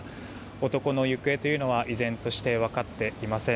男の行方というのは依然として分かっていません。